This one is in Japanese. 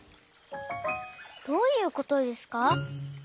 どういうことですか？